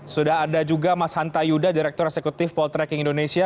sudah ada juga mas hanta yuda direktur eksekutif poltreking indonesia